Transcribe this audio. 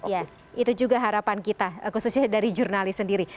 ya itu juga harapan kita khususnya dari jurnalis sendiri